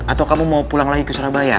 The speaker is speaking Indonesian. atau kamu mau pulang lagi ke surabaya